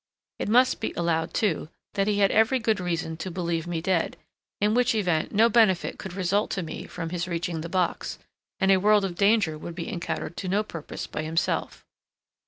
It must be allowed, too, that he had every good reason to believe me dead; in which event no benefit could result to me from his reaching the box, and a world of danger would be encountered to no purpose by himself.